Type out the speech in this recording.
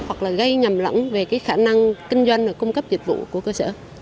hoặc là gây nhầm lẫn về cái khả năng kinh doanh và cung cấp dịch vụ của cơ sở